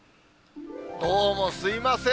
どうもすみません。